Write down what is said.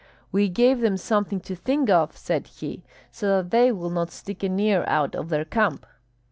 "We gave them something to think of," said he, "so that they will not stick an ear out of their camp."